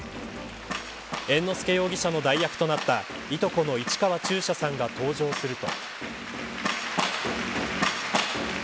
猿之助容疑者の代役となったいとこの市川中車さんが登場すると。